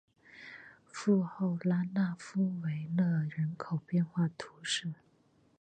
富后拉讷夫维勒人口变化图示